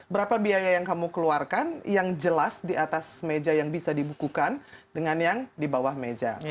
berapa biaya yang kamu keluarkan yang jelas di atas meja yang bisa dibukukan dengan yang di bawah meja